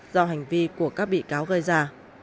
do hành vi của các bị cáo gây ra